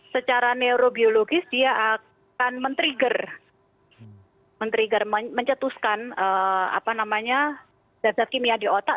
secara neurobiologis dia akan men trigger men trigger mencetuskan zat zat kimia di otak